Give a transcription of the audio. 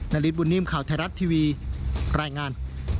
ริสบุญนิ่มข่าวไทยรัฐทีวีรายงาน